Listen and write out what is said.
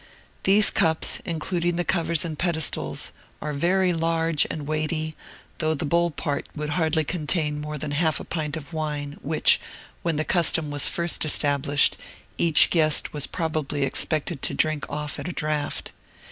These cups, including the covers and pedestals, are very large and weighty, although the bowl part would hardly contain more than half a pint of wine, which, when the custom was first established, each guest was probably expected to drink off at a draught.